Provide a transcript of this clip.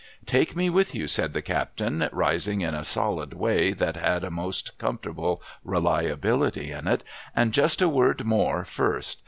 'Take me with you,' said the captain, rising in a solid way that had a most comfortable reliability in it, ' and just a word more first.